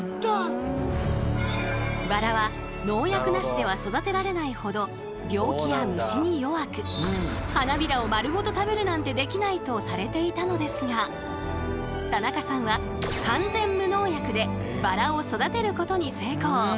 バラは農薬なしでは育てられないほど病気や虫に弱く花びらを丸ごと食べるなんてできないとされていたのですが田中さんは完全無農薬でバラを育てることに成功。